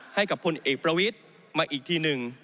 ให้กับพลเอกประวิทย์มาอีกทีหนึ่ง